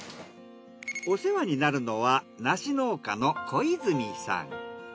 お世話になるのは梨農家の小泉さん。